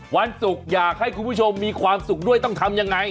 วันศุกร์อยากให้คุณผู้ชมมีความสุขด้วยต้องทำยังไง